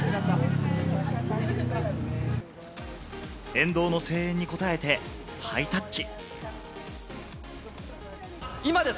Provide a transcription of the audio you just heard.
沿道の声援に応えてハイタッチ。